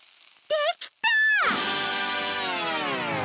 できた！